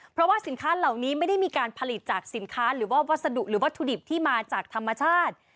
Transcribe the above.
เพราะว่าสินค้าเหล่านี้ไม่ได้มีการผลิตจากสินค้าหรือว่าวัสดุหรือวัตถุดิบที่มาจากธรรมชาติ